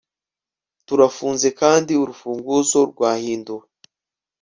Turafunze kandi urufunguzo rwahinduwe